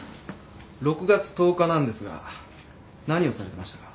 ６月１０日なんですが何をされてましたか？